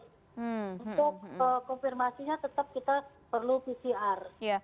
untuk konfirmasinya tetap kita perlu pcr